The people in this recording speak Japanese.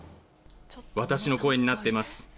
私の声になっています。